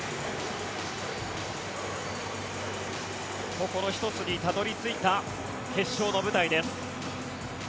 心一つにたどり着いた決勝の舞台です。